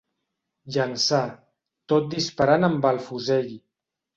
Llançar, tot disparant amb el fusell.